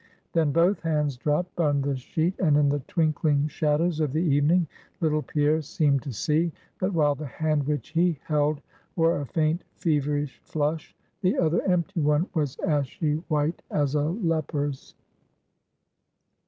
Then both hands dropped on the sheet; and in the twinkling shadows of the evening little Pierre seemed to see, that while the hand which he held wore a faint, feverish flush, the other empty one was ashy white as a leper's.